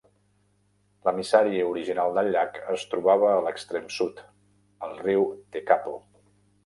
L'emissari original del llac es trobava a l'extrem sud, al riu Tekapo.